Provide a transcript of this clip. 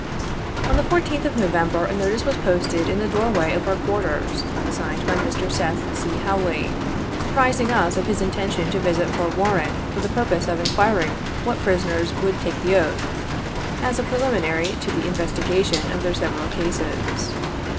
On the 14th of November a notice was posted in the doorway of our quarters, signed by Mr. Setii C. IIawley, apprising us of his intention to visit Fort Warren for the purpose of inquiring what prisoners would take the oath, as a preliminary to the investigation of their several cases.